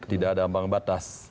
tidak ada ambang batas